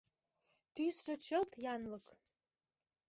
Тӱсшӧ — чылт янлык.